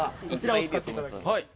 はい。